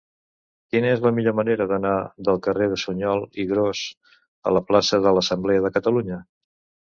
Quina és la millor manera d'anar del carrer de Suñol i Gros a la plaça de l'Assemblea de Catalunya?